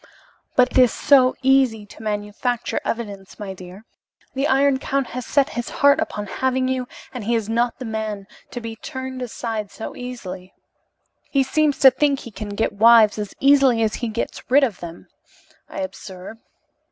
"But it is so easy to manufacture evidence, my dear. The Iron Count has set his heart upon having you, and he is not the man to be turned aside easily." "He seems to think he can get wives as easily as he gets rid of them, I observe.